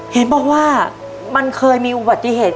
เห็นบอกว่ามันเคยมีอุบัติเหตุ